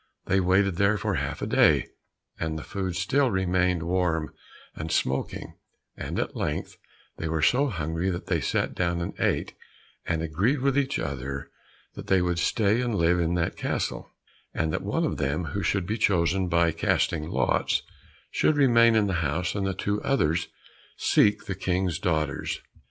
They waited there for half a day, and the food still remained warm and smoking, and at length they were so hungry that they sat down and ate, and agreed with each other that they would stay and live in that castle, and that one of them, who should be chosen by casting lots, should remain in the house, and the two others seek the King's daughters.